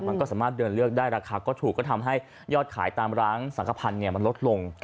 มันก็สามารถเดินเลือกได้ราคาก็ถูกก็ทำให้ยอดขายตามร้างสังขพันธ์มันลดลง